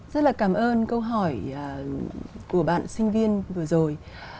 rất là cảm ơn câu hỏi của bạn sinh viên vừa rồi